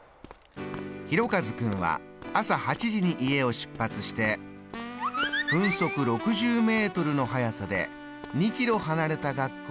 「ひろかず君は朝８時に家を出発して分速６０ｍの速さで２ｋｍ離れた学校に向かいました。